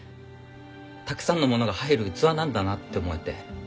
たくさんのものが入る器なんだなって思えて。